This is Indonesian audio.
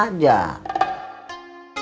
tidak mau berbicara